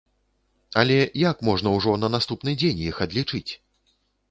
Але як можна ўжо на наступны дзень іх адлічыць?